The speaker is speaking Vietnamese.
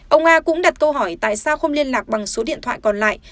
ông a cũng đặt câu hỏi tại sao không liên lạc bằng số điện thoại còn lại